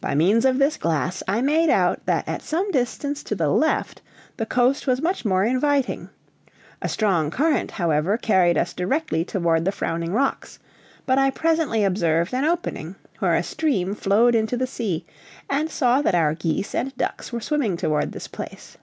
By means of this glass, I made out that at some distance to the left the coast was much more inviting; a strong current however, carried us directly toward the frowning rocks, but I presently observed an opening, where a stream flowed into the sea, and saw that our geese and ducks were swimming toward this place.